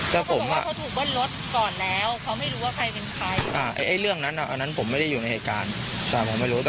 เขาบอกว่าเขาถูกเบิ้ลรถก่อนแล้ว